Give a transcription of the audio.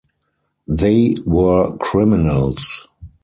They were criminals.